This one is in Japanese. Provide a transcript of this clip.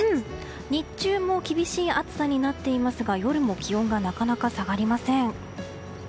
日中も厳しい暑さになっていますが夜も気温がなかなか下がりません。